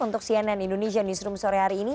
untuk cnn indonesia newsroom sore hari ini